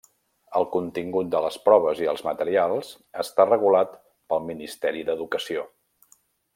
El contingut de les proves i els materials està regulat pel Ministeri d'Educació.